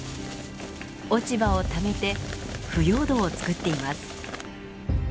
落ち葉をためて腐葉土をつくっています。